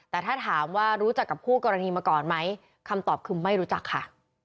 แต่ถ้าถามว่ารู้จักกับคู่กรณีมาก่อนไหมคำตอบคือไม่รู้จักค่ะ